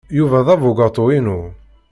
Yuba d abugaṭu-inu.